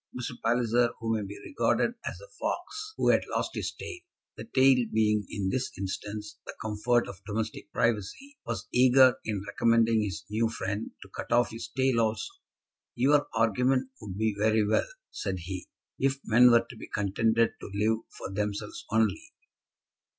Mr. Palliser, who may be regarded as the fox who had lost his tail, the tail being, in this instance, the comfort of domestic privacy, was eager in recommending his new friend to cut off his tail also. "Your argument would be very well," said he, "if men were to be contented to live for themselves only."